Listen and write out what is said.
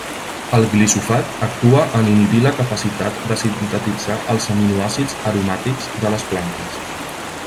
El glifosat actua en inhibir la capacitat de sintetitzar els aminoàcids aromàtics de les plantes.